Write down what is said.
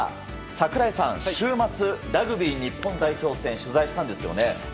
櫻井さん、週末ラグビー日本代表戦取材したんですよね。